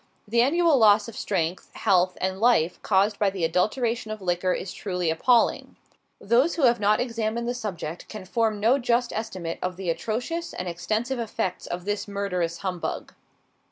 The annual loss of strength, health, and life caused by the adulteration of liquor is truly appalling. Those who have not examined the subject can form no just estimate of the atrocious and extensive effects of this murderous humbug.